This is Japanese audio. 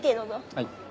はい。